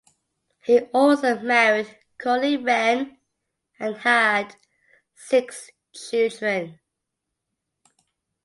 He also married Colleen Wren and had six children.